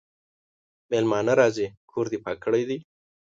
مېلمانه راځي کور دي پاک کړی دی؟